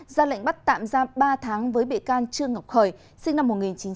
ra lệnh bắt tạm giam ba tháng với bị can trương ngọc khởi sinh năm một nghìn chín trăm tám mươi